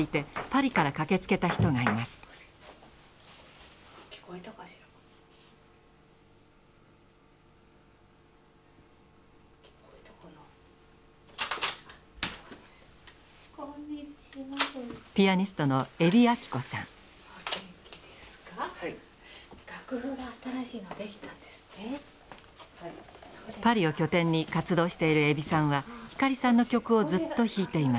パリを拠点に活動している海老さんは光さんの曲をずっと弾いています。